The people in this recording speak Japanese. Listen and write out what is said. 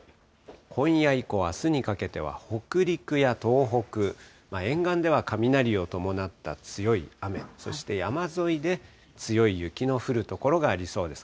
今夜以降あすにかけては、北陸や東北、沿岸では雷を伴った強い雨、そして山沿いで強い雪の降る所がありそうです。